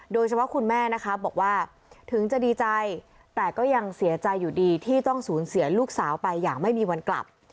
คุณแม่นะคะบอกว่าถึงจะดีใจแต่ก็ยังเสียใจอยู่ดีที่ต้องสูญเสียลูกสาวไปอย่างไม่มีวันกลับ